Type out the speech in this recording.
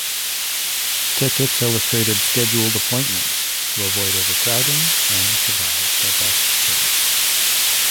Tickets illustrated scheduled appointments to avoid overcrowding and provide the best service.